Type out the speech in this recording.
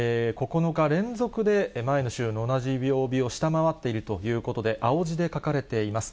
９日連続で、前の週の同じ曜日を下回っているということで、青字で書かれています。